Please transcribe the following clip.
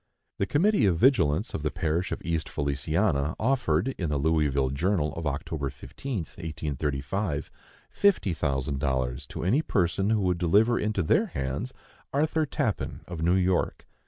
The committee of vigilance of the parish of East Feliciana offered, in the Louisville Journal of Oct. 15, 1835, fifty thousand dollars to any person who would deliver into their hands Arthur Tappan, of New York.